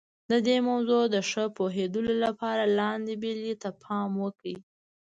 د دې موضوع د ښه پوهېدلو لپاره لاندې بېلګې ته پام وکړئ.